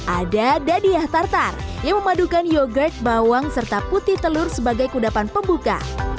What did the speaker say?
ada dadiah tartar yang memadukan yogurt bawang serta putih telur sebagai kudapan pembuka